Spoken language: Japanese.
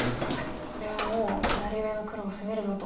これはもう左上の黒を攻めるぞと。